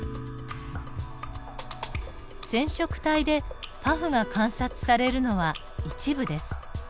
染色体でパフが観察されるのは一部です。